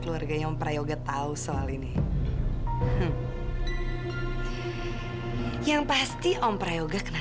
sudah muncul elli rupanya